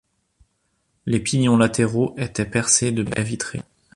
Les pignons latéraux étaient percés de baies vitrées.